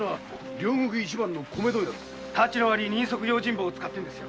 タチの悪い人足や用心棒を使ってるんですよ。